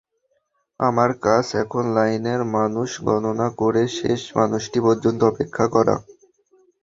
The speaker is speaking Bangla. আমার কাজ এখন লাইনের মানুষ গণনা করে শেষ মানুষটি পর্যন্ত অপেক্ষা করা।